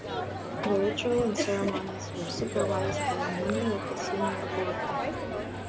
The ritual and ceremonies were supervised by a member of the senior order.